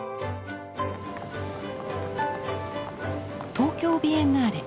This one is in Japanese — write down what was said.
「東京ビエンナーレ」